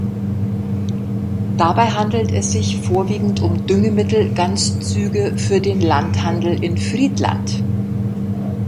Dabei handelt es sich vorwiegend um Düngemittel-Ganzzüge für den Landhandel in Friedland.